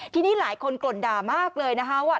ทีนี้หลายคนกล่นด่ามากเลยนะคะว่า